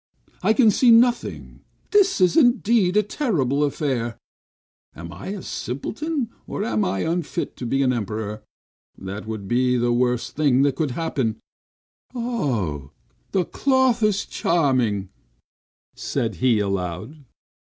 "I can see nothing! This is indeed a terrible affair! Am I a simpleton, or am I unfit to be an Emperor? That would be the worst thing that could happen Oh! the cloth is charming," said he, aloud.